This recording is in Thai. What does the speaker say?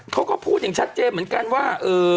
เขาก็พูดอย่างชัดเจนเหมือนกันว่า